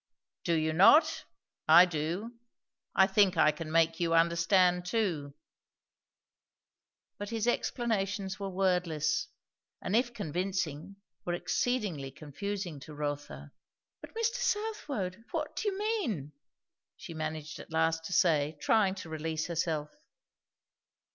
"Do you not? I do. I think I can make you understand too." But his explanations were wordless, and if convincing were exceedingly confusing to Rotha. "But Mr. Southwode! what do you mean?" she managed at last to say, trying to release herself.